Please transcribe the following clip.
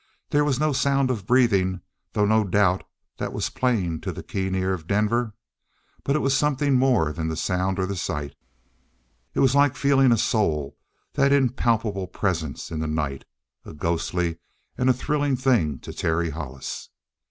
There was no sound of breathing, though no doubt that was plain to the keen ear of Denver but it was something more than sound or sight. It was like feeling a soul that impalpable presence in the night. A ghostly and a thrilling thing to Terry Hollis.